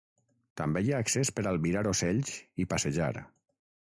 També hi ha accés per albirar ocells i passejar.